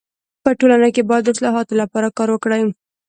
په ټولنه کي خلک باید د اصلاحاتو لپاره کار وکړي.